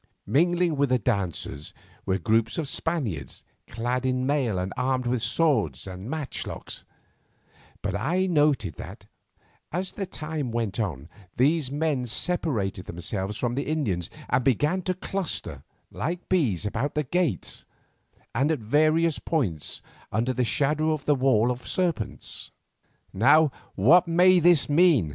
Mingling with the dancers were groups of Spaniards clad in mail and armed with swords and matchlocks, but I noted that, as the time went on, these men separated themselves from the Indians and began to cluster like bees about the gates and at various points under the shadow of the Wall of Serpents. "Now what may this mean?"